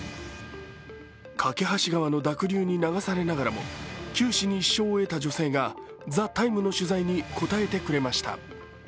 梯川の濁流に流されながらも九死に一生を得た女性が「ＴＨＥＴＩＭＥ，」の取材に答えてくれました。